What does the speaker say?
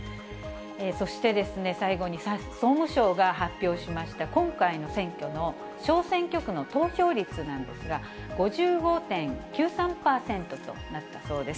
そして、最後に総務省が発表しました今回の選挙の小選挙区の投票率なんですが、５５．９３％となったそうです。